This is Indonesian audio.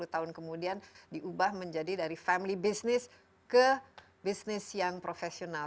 lima puluh tahun kemudian diubah menjadi dari family business ke business yang profesional